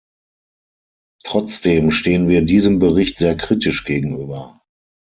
Trotzdem stehen wir diesem Bericht sehr kritisch gegenüber.